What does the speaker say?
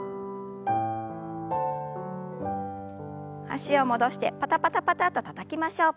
脚を戻してパタパタパタとたたきましょう。